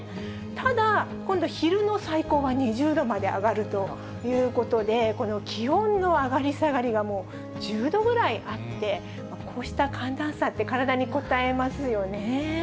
ただ、今度昼の最高は２０度まで上がるということで、この気温の上がり下がりがもう１０度ぐらいあって、こうした寒暖差って体にこたえますよね。